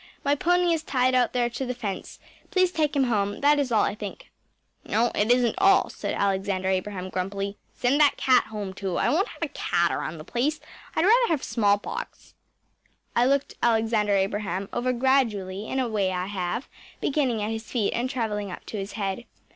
My pony is tied out there to the fence. Please take him home. That is all, I think.‚ÄĚ “No, it isn’t all,‚ÄĚ said Alexander Abraham grumpily. “Send that cat home, too. I won’t have a cat around the place I’d rather have smallpox.‚ÄĚ I looked Alexander Abraham over gradually, in a way I have, beginning at his feet and traveling up to his head.